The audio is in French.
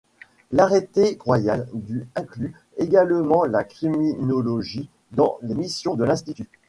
L'arrêté royal du inclut également la criminologie dans les missions de l'Institut.